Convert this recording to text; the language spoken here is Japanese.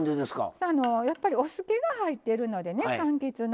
やっぱり、お酢けが入ってるので、かんきつの。